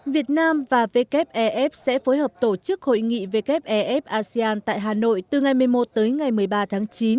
việt nam và wef sẽ phối hợp tổ chức hội nghị wef asean tại hà nội từ ngày một mươi một tới ngày một mươi ba tháng chín